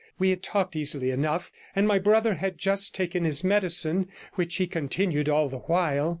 We had talked easily enough, and my brother had just taken his medicine, which he continued all the while.